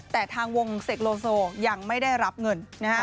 แต่ทางวงเสกโลโซยังไม่ได้รับเงิน